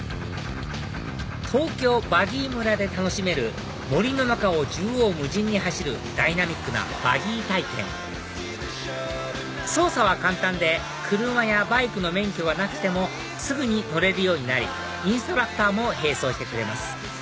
東京バギー村で楽しめる森の中を縦横無尽に走るダイナミックなバギー体験操作は簡単で車やバイクの免許がなくてもすぐに乗れるようになりインストラクターも並走してくれます